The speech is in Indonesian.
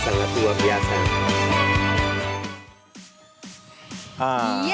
sangat luar biasa